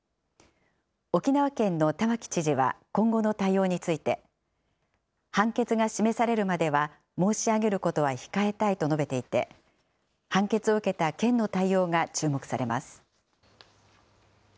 沖縄県の玉城知事は今後の対応について、判決が示されるまでは申し上げることは控えたいと述べていて、判決を受けた県の対応が注目されます。